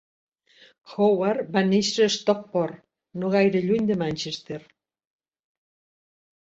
Howard va néixer en Stockport, no gaire lluny de Manchester.